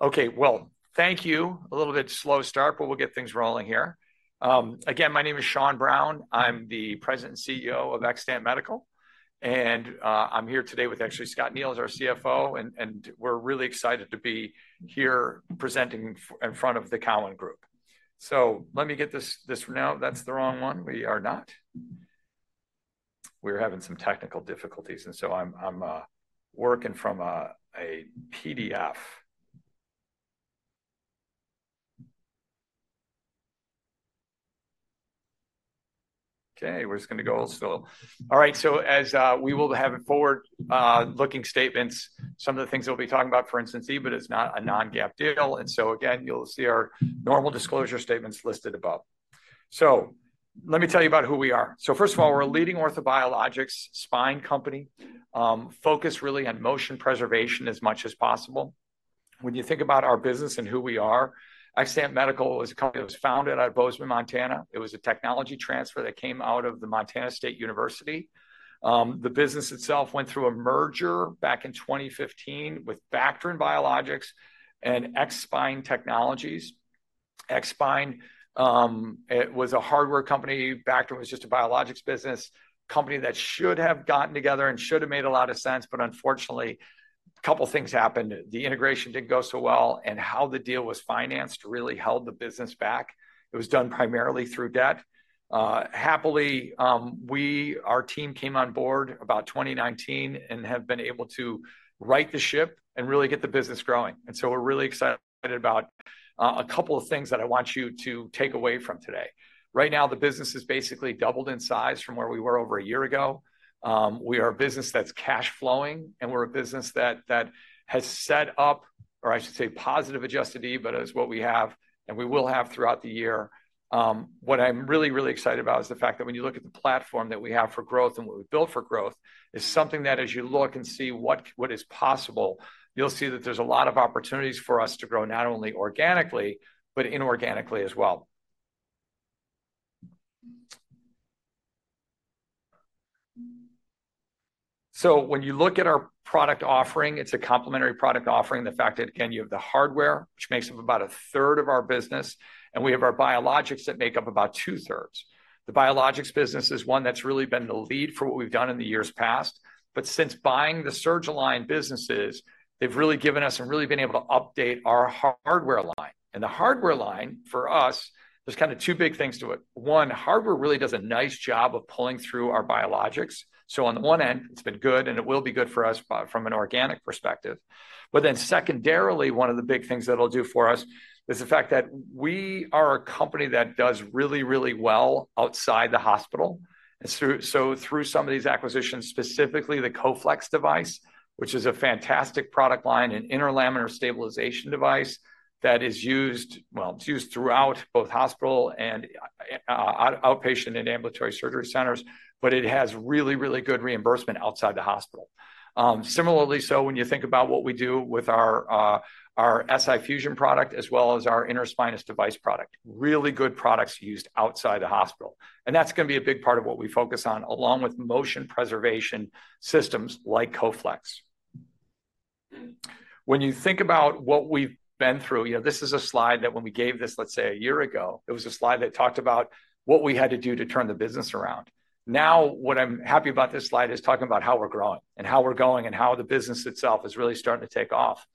Okay, well, thank you. A little bit slow start, but we'll get things rolling here. Again, my name is Sean Browne. I'm the President and CEO of Xtant Medical. And, I'm here today with, actually, Scott Neils, our CFO, and we're really excited to be here presenting in front of the Cowan Group. So let me get this this now. That's the wrong one. We are not. We're having some technical difficulties, and so I'm working from a PDF. Okay, where's it going to go? It's still all right. So, as we will have forward-looking statements, some of the things they'll be talking about, for instance, EBIT is not a non-GAAP deal. And so, again, you'll see our normal disclosure statements listed above. So let me tell you about who we are. So first of all, we're a leading orthobiologics spine company, focused really on motion preservation as much as possible. When you think about our business and who we are, Xtant Medical was a company that was founded out of Bozeman, Montana. It was a technology transfer that came out of the Montana State University. The business itself went through a merger back in 2015 with Bacterin Biologics and X-spine Technologies. X-spine, it was a hardware company. Bacterin was just a biologics business, company that should have gotten together and should have made a lot of sense, but unfortunately, a couple of things happened. The integration didn't go so well, and how the deal was financed really held the business back. It was done primarily through debt. Happily, we our team came on board about 2019 and have been able to right the ship and really get the business growing. And so we're really excited about a couple of things that I want you to take away from today. Right now, the business has basically doubled in size from where we were over a year ago. We are a business that's cash flowing, and we're a business that has set up, or I should say, positive adjusted EBITDA as what we have and we will have throughout the year. What I'm really, really excited about is the fact that when you look at the platform that we have for growth and what we built for growth is something that, as you look and see what is possible, you'll see that there's a lot of opportunities for us to grow not only organically, but inorganically as well. So when you look at our product offering, it's a complementary product offering. The fact that, again, you have the hardware, which makes up about a third of our business, and we have our biologics that make up about two-thirds. The biologics business is one that's really been the lead for what we've done in the years past. But since buying the SurgeLine businesses, they've really given us and really been able to update our hardware line. And the hardware line, for us, there's kind of two big things to it. One, hardware really does a nice job of pulling through our biologics. So on the one end, it's been good, and it will be good for us from an organic perspective. But then secondarily, one of the big things that it'll do for us is the fact that we are a company that does really, really well outside the hospital. Through some of these acquisitions, specifically the Coflex device, which is a fantastic product line, an interlaminar stabilization device that is used well, it's used throughout both hospital and outpatient and ambulatory surgery centers, but it has really, really good reimbursement outside the hospital. Similarly, so when you think about what we do with our SI fusion product as well as our interspinous device product, really good products used outside the hospital. That's going to be a big part of what we focus on, along with motion preservation systems like Coflex. When you think about what we've been through, you know, this is a slide that when we gave this, let's say, a year ago, it was a slide that talked about what we had to do to turn the business around. Now what I'm happy about this slide is talking about how we're growing and how we're going and how the business itself is really starting to take off.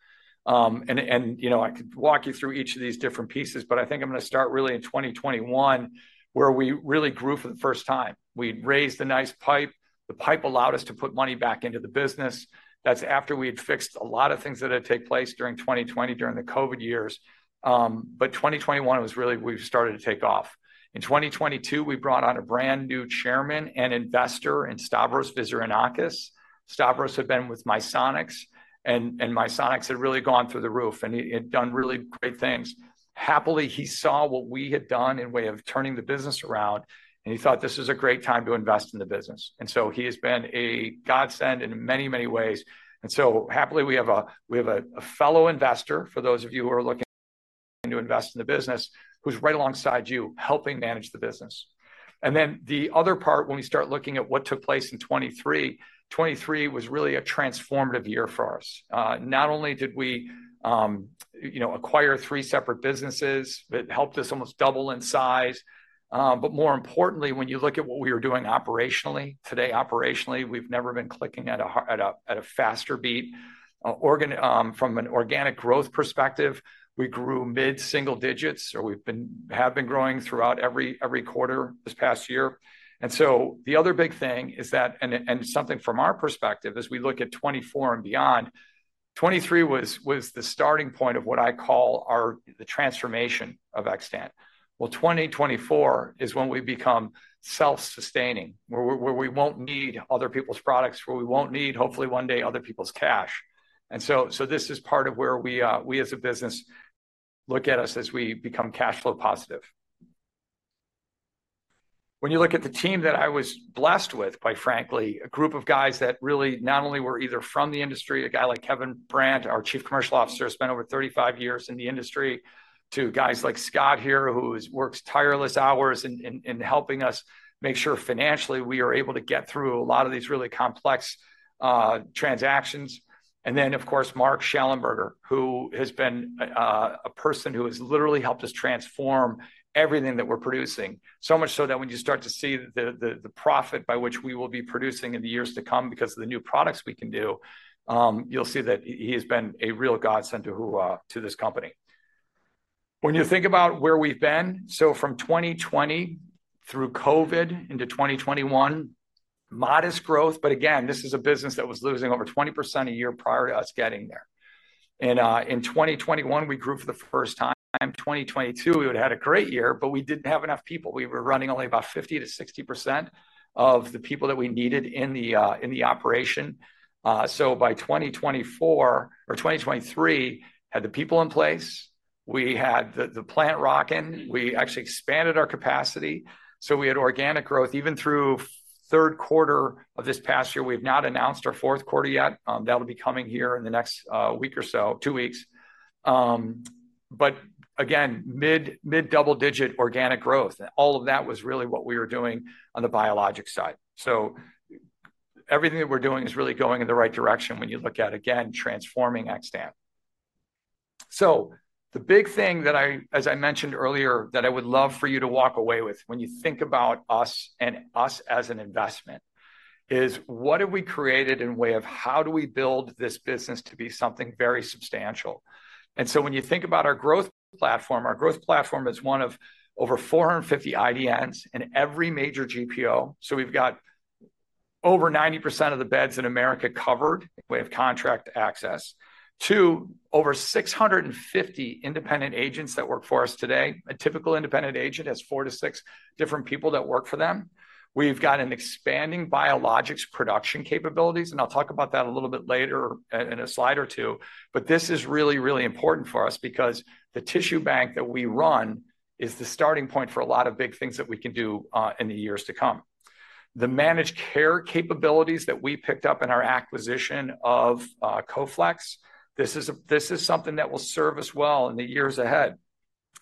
And, you know, I could walk you through each of these different pieces, but I think I'm going to start really in 2021, where we really grew for the first time. We raised a nice PIPE. The PIPE allowed us to put money back into the business. That's after we had fixed a lot of things that had taken place during 2020, during the COVID years. But 2021 was really we started to take off. In 2022, we brought on a brand new chairman and investor in Stavros G. Vizirgianakis. Stavros had been with Misonix, and Misonix had really gone through the roof, and he had done really great things. Happily, he saw what we had done by way of turning the business around, and he thought, "This is a great time to invest in the business." And so he has been a godsend in many, many ways. And so happily, we have a fellow investor, for those of you who are looking to invest in the business, who's right alongside you helping manage the business. And then the other part, when we start looking at what took place in 2023, 2023 was really a transformative year for us. Not only did we, you know, acquire three separate businesses, it helped us almost double in size. But more importantly, when you look at what we were doing operationally today, operationally, we've never been clicking at a faster beat. From an organic growth perspective, we grew mid-single digits, or we've been growing throughout every quarter this past year. And so the other big thing is that and something from our perspective, as we look at 2024 and beyond, 2023 was the starting point of what I call the transformation of Xtant. Well, 2024 is when we become self-sustaining, where we won't need other people's products, where we won't need, hopefully one day, other people's cash. And so this is part of where we as a business look at us as we become cash flow positive. When you look at the team that I was blessed with, quite frankly, a group of guys that really not only were either from the industry, a guy like Kevin Brandt, our Chief Commercial Officer, who spent over 35 years in the industry, to guys like Scott here, who works tireless hours in helping us make sure financially we are able to get through a lot of these really complex transactions. And then, of course, Mark Schallenberger, who has been a person who has literally helped us transform everything that we're producing, so much so that when you start to see the profit by which we will be producing in the years to come because of the new products we can do, you'll see that he has been a real godsend to this company. When you think about where we've been, so from 2020 through COVID into 2021, modest growth, but again, this is a business that was losing over 20% a year prior to us getting there. And in 2021, we grew for the first time. 2022, we had had a great year, but we didn't have enough people. We were running only about 50% -60% of the people that we needed in the operation. So by 2024 or 2023, had the people in place, we had the plant rocking, we actually expanded our capacity. So we had organic growth. Even through third quarter of this past year, we have not announced our fourth quarter yet. That'll be coming here in the next week or so, two weeks. But again, mid-double-digit organic growth. All of that was really what we were doing on the biologic side. So everything that we're doing is really going in the right direction when you look at, again, transforming Xtant. So the big thing that I, as I mentioned earlier, that I would love for you to walk away with when you think about us and us as an investment is what have we created in way of how do we build this business to be something very substantial? And so when you think about our growth platform, our growth platform is one of over 450 IDNs in every major GPO. So we've got over 90% of the beds in America covered in way of contract access. Two, over 650 independent agents that work for us today. A typical independent agent has four to six different people that work for them. We've got an expanding biologics production capabilities, and I'll talk about that a little bit later in a slide or two. But this is really, really important for us because the tissue bank that we run is the starting point for a lot of big things that we can do in the years to come. The managed care capabilities that we picked up in our acquisition of Coflex, this is something that will serve us well in the years ahead.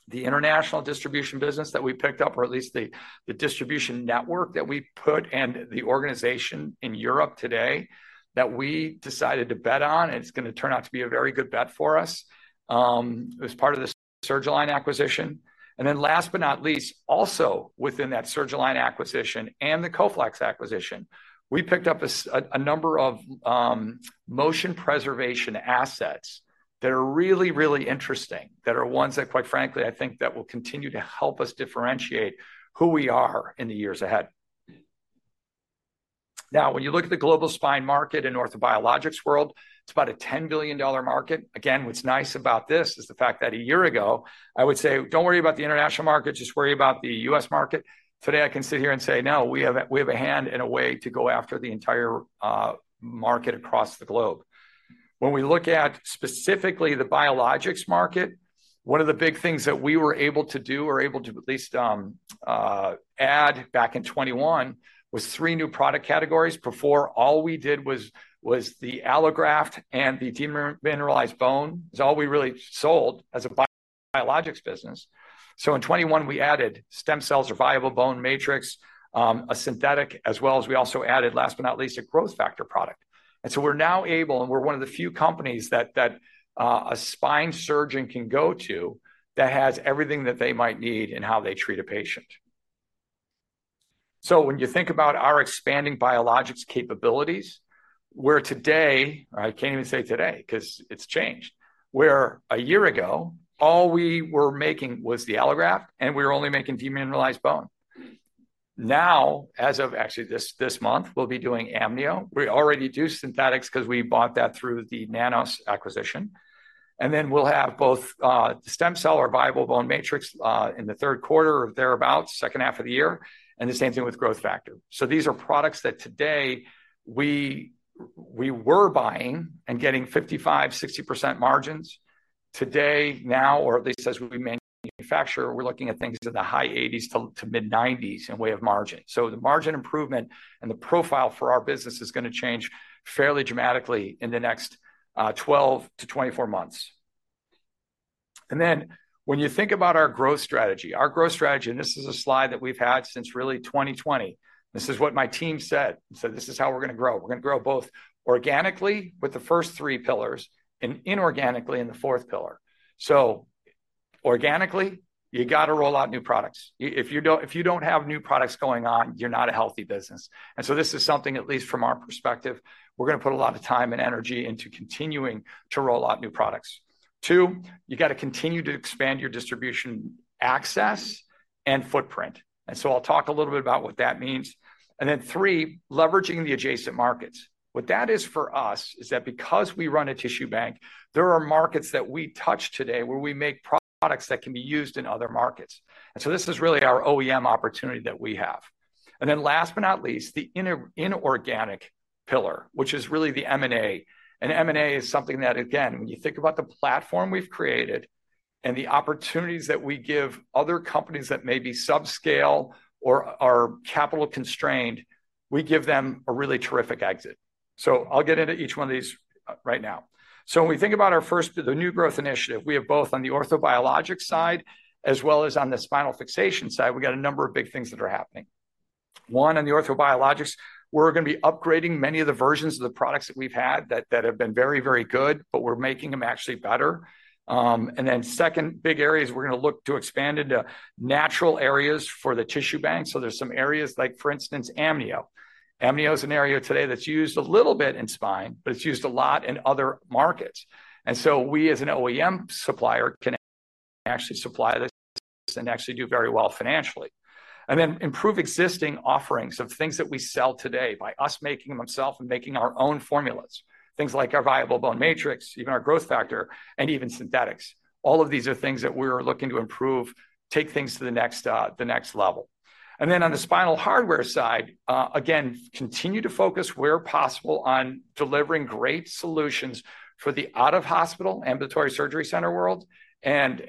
The international distribution business that we picked up, or at least the distribution network that we put and the organization in Europe today that we decided to bet on, and it's going to turn out to be a very good bet for us, as part of the SurgeLine acquisition. And then last but not least, also within that SurgeLine acquisition and the coflex acquisition, we picked up a number of motion preservation assets that are really, really interesting, that are ones that, quite frankly, I think that will continue to help us differentiate who we are in the years ahead. Now, when you look at the global spine market in the orthobiologics world, it's about a $10 billion market. Again, what's nice about this is the fact that a year ago, I would say, "Don't worry about the international market. Just worry about the U.S. market." Today, I can sit here and say, "No, we have a hand in a way to go after the entire market across the globe." When we look at specifically the biologics market, one of the big things that we were able to do or able to at least add back in 2021 was three new product categories. Before, all we did was the allograft and the demineralized bone is all we really sold as a biologics business. So in 2021, we added stem cells or viable bone matrix, a synthetic, as well as we also added, last but not least, a growth factor product. And so we're now able and we're one of the few companies that a spine surgeon can go to that has everything that they might need in how they treat a patient. So when you think about our expanding biologics capabilities, where today I can't even say today because it's changed, where a year ago, all we were making was the allograft, and we were only making demineralized bone. Now, as of actually this month, we'll be doing amnio. We already do synthetics because we bought that through the Nanoss acquisition. And then we'll have both the stem cell or Viable Bone Matrix in the third quarter or thereabouts, second half of the year, and the same thing with growth factor. So these are products that today we were buying and getting 55%-60% margins. Today, now, or at least as we manufacture, we're looking at things in the high 80s to mid 90s in way of margin. So the margin improvement and the profile for our business is going to change fairly dramatically in the next 12-24 months. And then when you think about our growth strategy, our growth strategy, and this is a slide that we've had since really 2020, this is what my team said. They said, "This is how we're going to grow. We're going to grow both organically with the first three pillars and inorganically in the fourth pillar." So organically, you got to roll out new products. If you don't if you don't have new products going on, you're not a healthy business. And so this is something, at least from our perspective, we're going to put a lot of time and energy into continuing to roll out new products. Two, you got to continue to expand your distribution access and footprint. So I'll talk a little bit about what that means. And then three, leveraging the adjacent markets. What that is for us is that because we run a tissue bank, there are markets that we touch today where we make products that can be used in other markets. And so this is really our OEM opportunity that we have. And then last but not least, the inorganic pillar, which is really the M&A. And M&A is something that, again, when you think about the platform we've created and the opportunities that we give other companies that may be subscale or are capital constrained, we give them a really terrific exit. So I'll get into each one of these right now. So when we think about our first the new growth initiative, we have both on the orthobiologics side as well as on the spinal fixation side, we got a number of big things that are happening. One, on the orthobiologics, we're going to be upgrading many of the versions of the products that we've had that have been very, very good, but we're making them actually better. And then second big areas, we're going to look to expand into natural areas for the tissue bank. So there's some areas, like for instance, amnio. Amnio is an area today that's used a little bit in spine, but it's used a lot in other markets. And so we, as an OEM supplier, can actually supply this and actually do very well financially. And then improve existing offerings of things that we sell today by us making them ourselves and making our own formulas, things like our viable bone matrix, even our growth factor, and even synthetics. All of these are things that we're looking to improve, take things to the next level. And then on the spinal hardware side, again, continue to focus where possible on delivering great solutions for the out-of-hospital ambulatory surgery center world and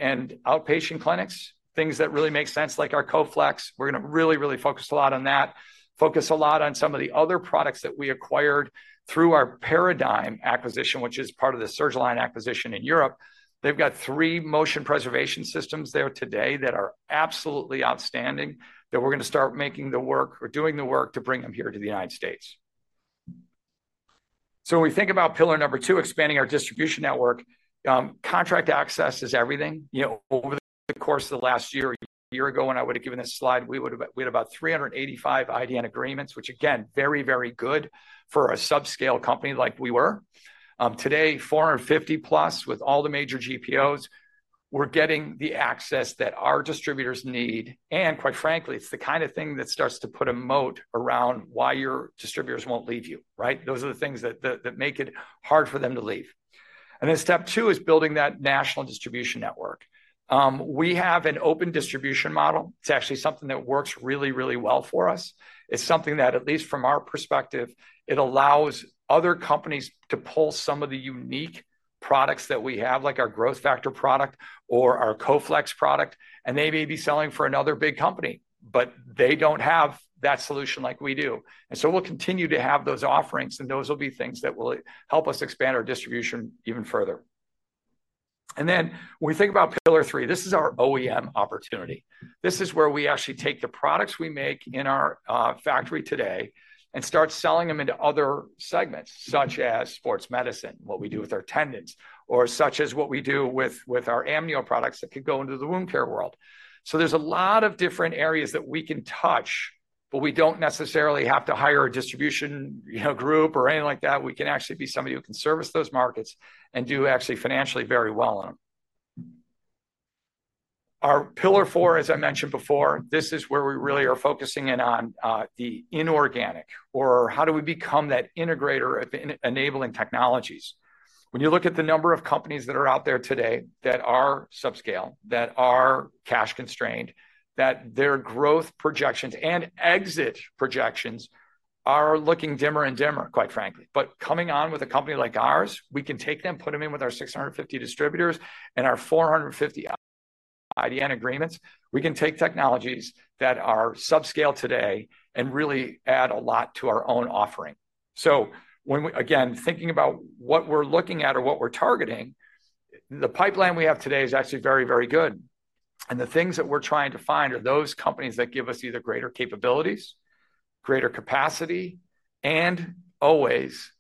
outpatient clinics, things that really make sense, like our Coflex. We're going to really, really focus a lot on that, focus a lot on some of the other products that we acquired through our Paradigm acquisition, which is part of the SurgeLine acquisition in Europe. They've got 3 motion preservation systems there today that are absolutely outstanding, that we're going to start making the work or doing the work to bring them here to the United States. So when we think about pillar number 2, expanding our distribution network, contract access is everything. You know, over the course of the last year or a year ago, when I would have given this slide, we would have had about 385 IDN agreements, which, again, very, very good for a subscale company like we were. Today, 450+ with all the major GPOs, we're getting the access that our distributors need. And quite frankly, it's the kind of thing that starts to put a moat around why your distributors won't leave you, right? Those are the things that make it hard for them to leave. And then step two is building that national distribution network. We have an open distribution model. It's actually something that works really, really well for us. It's something that, at least from our perspective, it allows other companies to pull some of the unique products that we have, like our growth factor product or our Coflex product. And they may be selling for another big company, but they don't have that solution like we do. And so we'll continue to have those offerings, and those will be things that will help us expand our distribution even further. And then when we think about pillar three, this is our OEM opportunity. This is where we actually take the products we make in our factory today and start selling them into other segments, such as sports medicine, what we do with our tendons, or such as what we do with our amnio products that could go into the wound care world. So there's a lot of different areas that we can touch, but we don't necessarily have to hire a distribution you know group or anything like that. We can actually be somebody who can service those markets and do actually financially very well in them. Our pillar four, as I mentioned before, this is where we really are focusing in on the inorganic, or how do we become that integrator of enabling technologies. When you look at the number of companies that are out there today that are subscale, that are cash constrained, that their growth projections and exit projections are looking dimmer and dimmer, quite frankly. But coming on with a company like ours, we can take them, put them in with our 650 distributors and our 450 IDN agreements. We can take technologies that are subscale today and really add a lot to our own offering. So when we, again, thinking about what we're looking at or what we're targeting, the pipeline we have today is actually very, very good. And the things that we're trying to find are those companies that give us either greater capabilities, greater capacity, and always,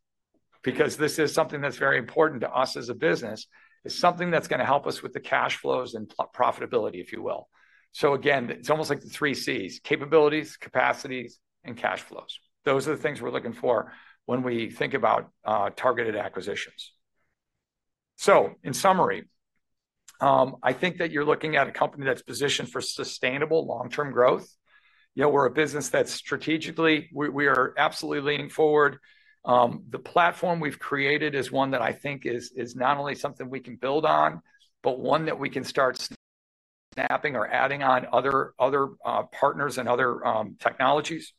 because this is something that's very important to us as a business, is something that's going to help us with the cash flows and profitability, if you will. So again, it's almost like the three C's: capabilities, capacities, and cash flows. Those are the things we're looking for when we think about targeted acquisitions. So in summary, I think that you're looking at a company that's positioned for sustainable long-term growth. You know, we're a business that's strategically we are absolutely leaning forward. The platform we've created is one that I think is not only something we can build on, but one that we can start snapping or adding on other partners and other technologies.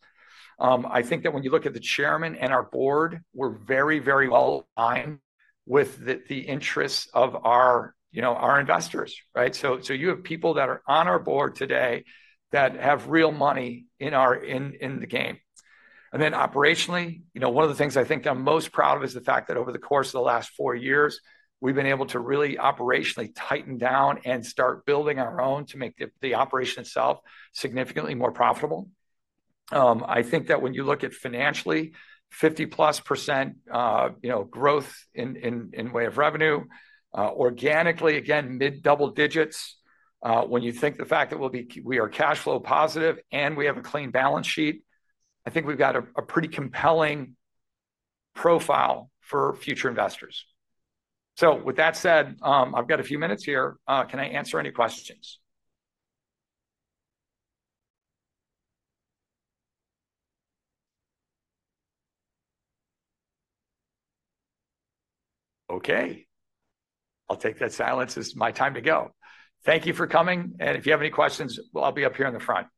I think that when you look at the chairman and our board, we're very, very well aligned with the interests of our you know, our investors, right? So you have people that are on our board today that have real money in our in the game. Then operationally, you know, one of the things I think I'm most proud of is the fact that over the course of the last four years, we've been able to really operationally tighten down and start building our own to make the operation itself significantly more profitable. I think that when you look at financially, 50%+ you know growth in way of revenue, organically, again, mid double digits. When you think the fact that we are cash flow positive and we have a clean balance sheet, I think we've got a pretty compelling profile for future investors. So with that said, I've got a few minutes here. Can I answer any questions? Okay. I'll take that silence. It's my time to go. Thank you for coming. If you have any questions, I'll be up here in the front.